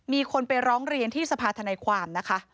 มีคนไปร้องเรียนที่สภาธนายความนะคะ